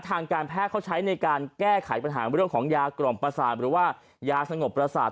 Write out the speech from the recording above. ทางการแพทย์เขาใช้ในการแก้ไขปัญหาเรื่องของยากล่อมประสาทหรือว่ายาสงบประสาท